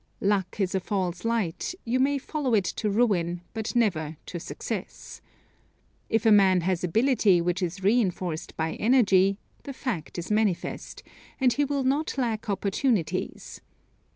Luck is a false light; you may follow it to ruin, but never to success. If a man has ability which is reinforced by energy, the fact is manifest, and he will not lack opportunities.